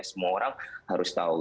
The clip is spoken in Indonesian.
semua orang harus tahu